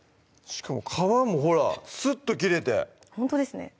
しかも皮もほらっすっと切れてほんとですね